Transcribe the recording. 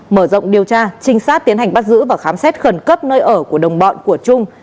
mở rộng điều tra trinh sát tiến hành bắt giữ và khám xét khẩn cấp nơi ở của đồng bọn của trung